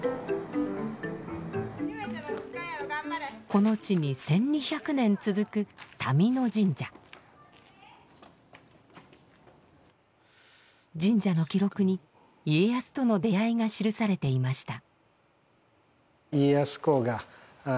この地に１，２００年続く神社の記録に家康との出会いが記されていました。